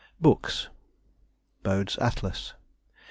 BOOKS. Bode's Atlas.